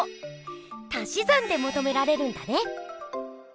たしざんでもとめられるんだね！